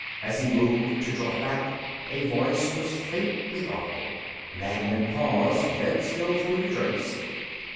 As he moved to draw back, a voice was faintly audible. Magnan paused, head still through the drapes.